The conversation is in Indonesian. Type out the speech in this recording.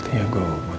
terima kasih ya mas